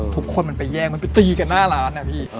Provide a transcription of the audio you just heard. ทุกคนมันไปแย่งมันไปตีกันหน้าร้านนะพี่